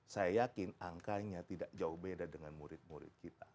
saya yakin angkanya tidak jauh beda dengan murid murid kita